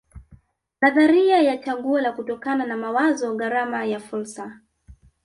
Nadharia ya chaguo la kutokana na mawazo gharama ya fursa